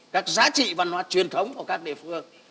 các giá trị văn hóa truyền thống của các địa phương